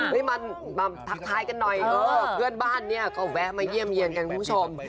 มาทักทายกันหน่อยเพื่อนบ้านเนี่ยก็แวะมาเยี่ยมเยี่ยนกันคุณผู้ชม